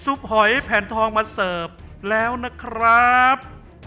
หอยแผ่นทองมาเสิร์ฟแล้วนะครับ